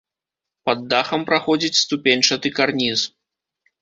Пад дахам праходзіць ступеньчаты карніз.